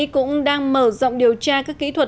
cũng đang mở rộng điều tra các kỹ thuật